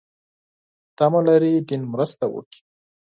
تمه لري دین مرسته وکړي.